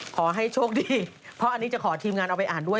ขอให้โชคดีเพราะอันนี้จะขอทีมงานเอาไปอ่านด้วย